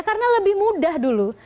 karena lebih mudah dulu